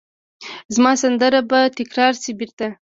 زما سندره به تکرار شي بیرته